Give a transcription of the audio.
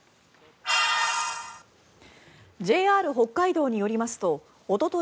ＪＲ北海道によりますとおととい